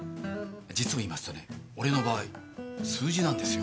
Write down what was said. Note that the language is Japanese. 実を言いますとね俺の場合数字なんですよ。